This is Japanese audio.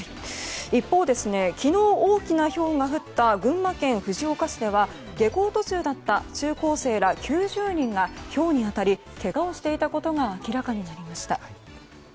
一方、昨日大きなひょうが降った群馬県藤岡市では下校途中だった中高生ら９０人がひょうに当たりけがをしていたことが明らかになりました。